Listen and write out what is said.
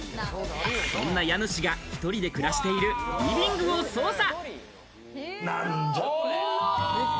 そんな家主が１人で暮らしているリビングを捜査！